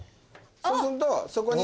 そうするとそこに。